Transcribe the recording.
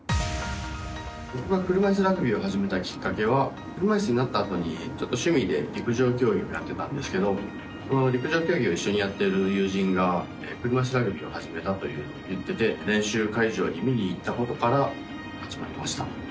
僕が車いすラグビーを始めたきっかけは車いすになったあとに趣味で陸上競技をやってたんですけど陸上競技を一緒にやっている友人が車いすラグビーを始めたと言ってて練習会場に見に行ったことから始まりました。